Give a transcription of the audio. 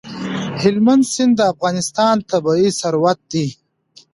هلمند سیند د افغانستان طبعي ثروت دی.